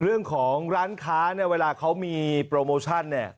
เรื่องของร้านค้าเนี่ยเวลาเขามีโปรโมชั่นเนี่ย